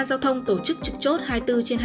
giao thông tổ chức trực chốt hai mươi bốn trên hai mươi